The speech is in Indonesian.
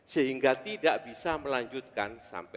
sehingga tidak bisa melanjutkan kjp yang berada di jakarta utara